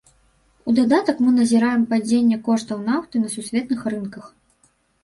У дадатак мы назіраем падзенне коштаў нафты на сусветных рынках.